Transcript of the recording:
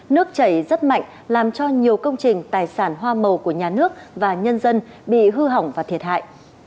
nước chảy rất mạnh làm cho nhiều công trình tài sản hoa màu của nhà nước và nhân dân bị hư hỏng và thiệt hại